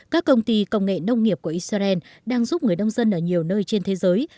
các công ty công nghệ nông nghiệp của israel đang giúp người nông dân ở nhiều nơi trên thế giới